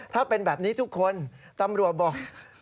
ถ้าเป็นแบบนี้ทุกคนตำรวจบอก